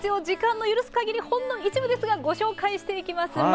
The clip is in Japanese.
時間の許すかぎり、ほんの一部ですが、ご紹介していきます。